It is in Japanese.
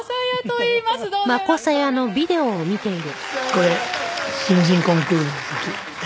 これ新人コンクールの時。